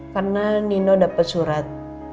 karena nino dapet surat